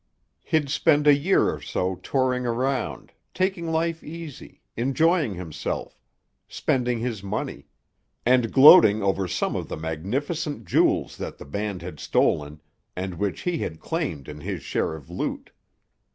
He'd spend a year or so touring around, taking life easy, enjoying himself, spending his money, and gloating over some of the magnificent jewels that the band had stolen and which he had claimed in his share of loot.